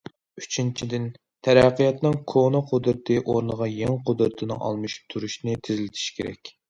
ئۈچىنچىدىن، تەرەققىياتنىڭ كونا قۇدرىتى ئورنىغا يېڭى قۇدرىتىنىڭ ئالمىشىپ تۇرۇشىنى تېزلىتىش كېرەك.